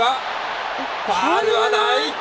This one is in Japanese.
ファウルは、ない。